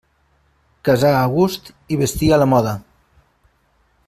Casar a gust, i vestir a la moda.